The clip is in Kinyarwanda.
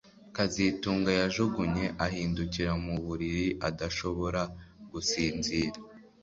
kazitunga yajugunye ahindukira mu buriri adashobora gusinzira